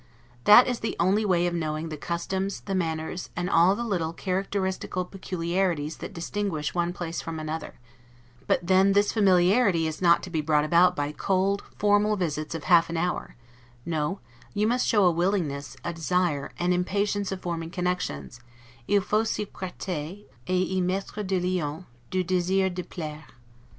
That is the only way of knowing the customs, the manners, and all the little characteristical peculiarities that distinguish one place from another; but then this familiarity is not to be brought about by cold, formal visits of half an hour: no; you must show a willingness, a desire, an impatience of forming connections, 'il faut s'y preter, et y mettre du liant, du desir de plaire.